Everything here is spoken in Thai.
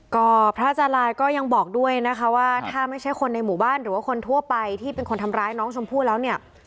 ก็พระอาจารย์ลายก็ยังบอกด้วยนะคะว่าถ้าไม่ใช่คนในหมู่บ้านหรือว่าคนทั่วไปที่เป็นคนทำร้ายน้องชมพู่แล้วเนี่ย